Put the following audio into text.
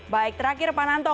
baik terakhir pak nanto